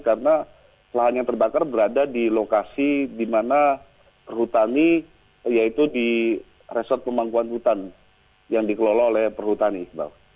karena lahan yang terbakar berada di lokasi di mana perhutani yaitu di resort pemangkuan hutan yang dikelola oleh perhutani iqbal